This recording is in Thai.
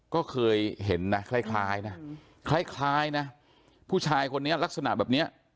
ก็เคยเห็นนะคล้ายนะคล้ายนะผู้ชายคนนี้ลักษณะแบบนี้